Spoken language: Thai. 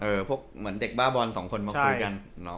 พวกเหมือนเด็กบ้าบอลสองคนมาคุยกัน